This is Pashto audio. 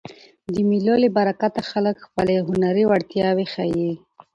د مېلو له برکته خلک خپلي هنري وړتیاوي ښيي.